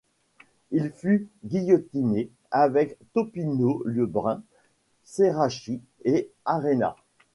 Il fut guillotiné avec Topino-Lebrun, Ceracchi et Aréna.